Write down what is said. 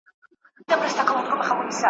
بس یا مو سېل یا مو توپان ولیدی ,